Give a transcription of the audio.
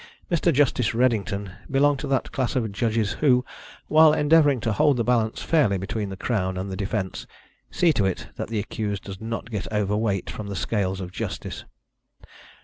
Mr. Justice Redington belonged to that class of judges who, while endeavouring to hold the balance fairly between the Crown and the defence, see to it that the accused does not get overweight from the scales of justice.